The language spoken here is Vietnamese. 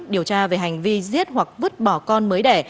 điều tra về hành vi giết hoặc vứt bỏ con mới đẻ